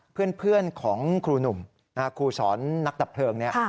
เพื่อนของครูหนุ่มครูสอนนักดับเพลิงเนี่ย